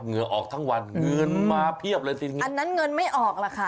เหงื่อออกทั้งวันเงินมาเพียบเลยทีนี้อันนั้นเงินไม่ออกล่ะค่ะ